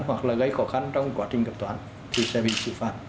hoặc là gây khó khăn trong quá trình kiểm toán thì sẽ bị xử phạt